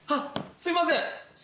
すいません。